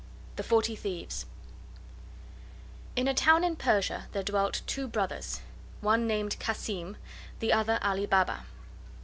THE FORTY THIEVES In a town in Persia there dwelt two brothers, one named Cassim, the other Ali Baba.